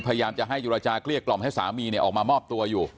พยายามจะให้จุฬาเกลี้ยกล่อมให้สามีเนี่ยออกมามอบตัวอยู่